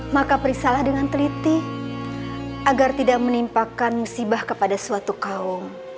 maka periksalah dengan teliti agar tidak menimpakan musibah kepada suatu kaum